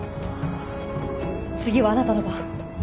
次はあなたの番。